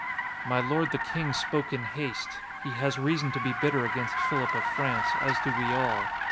"My lord the King spoke in haste. He has reason to be bitter against Philip of France, as do we all.